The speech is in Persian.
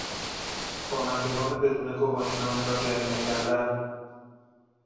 رانندگان بدون گواهینامه را جریمه کردن